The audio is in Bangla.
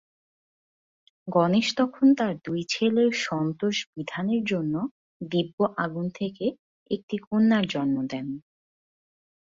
গণেশ তখন তাঁর দুই ছেলের সন্তোষ বিধানের জন্য দিব্য আগুন থেকে একটি কন্যার জন্ম দেন।